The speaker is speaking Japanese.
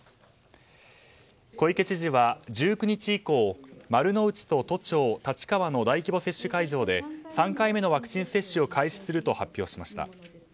小池知事は１９日以降丸の内と都庁、立川の大規模接種会場で３回目のワクチン接種を開始すると発表しました。